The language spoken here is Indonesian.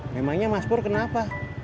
memangnya mas pur kenapa